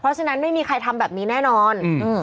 เพราะฉะนั้นไม่มีใครทำแบบนี้แน่นอน